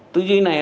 tư duy này